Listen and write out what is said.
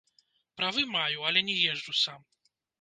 Правы маю, але не езджу сам.